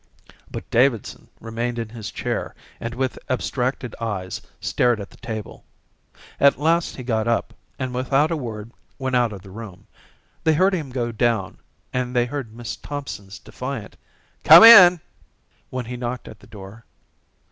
But Davidson remained in his chair and with abstracted eyes stared at the table. At last he got up and without a word went out of the room. They heard him go down and they heard Miss Thompson's defiant "Come in" when he knocked at the door.